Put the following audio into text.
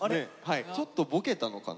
ちょっとボケたのかな。